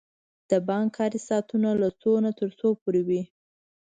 د بانک کاری ساعتونه له څو نه تر څو پوری وی؟